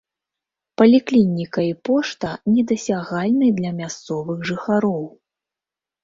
Паліклініка і пошта недасягальны для мясцовых жыхароў.